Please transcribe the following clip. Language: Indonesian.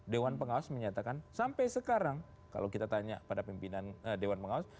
dewan pengawas menyatakan sampai sekarang kalau kita tanya pada pimpinan dewan pengawas